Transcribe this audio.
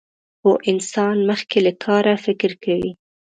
پوه انسان مخکې له کاره فکر کوي.